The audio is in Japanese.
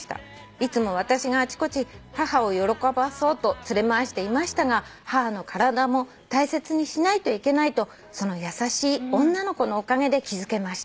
いつも私があちこち母を喜ばそうと連れ回していましたが母の体も大切にしないといけないとその優しい女の子のおかげで気付けました」